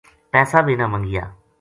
پیسا بے نہ منگیا